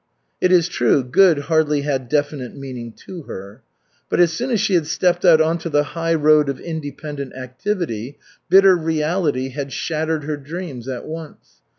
(It is true, "good" hardly had definite meaning to her.) But as soon as she had stepped out on to the highroad of independent activity, bitter reality had shattered her dreams at once.